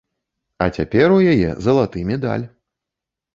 А цяпер у яе залаты медаль!